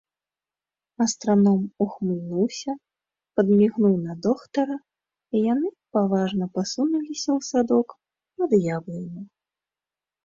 Астраном ухмыльнуўся, падмігнуў на доктара, і яны паважна пасунуліся ў садок пад яблыню.